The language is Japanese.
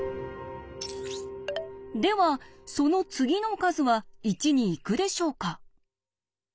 ではその次の数は１に行くでしょうか？